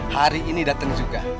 hari ini datang juga